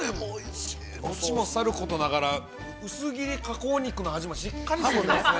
◆餅もさることながら、薄切り加工肉の味もしっかりしてますね。